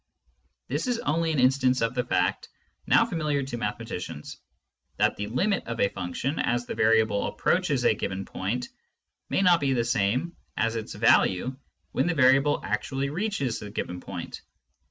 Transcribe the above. This is only an instance of the fact, now familiar to mathe maticians, that the limit of a function as the variable approaches a given point may not be the same as its value when the variable actually reaches the given point.